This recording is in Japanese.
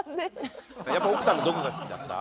奥さんのどこが好きだった？